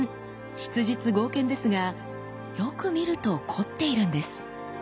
質実剛健ですがよく見ると凝っているんです。